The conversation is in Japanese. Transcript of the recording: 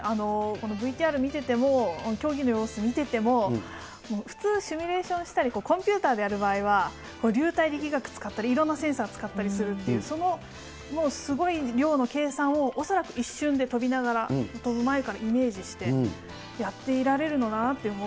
ＶＴＲ見てても、競技の様子見てても、普通シミュレーションしたりコンピューターでやる場合は、流体力学使ったり、いろんなセンサー使ったりするという、すごい量の計算を恐らく一瞬で飛びながら、飛ぶ前からイメージしてやっておられるのだなと。